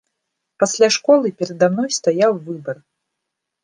Пасля школы перада мной стаяў выбар.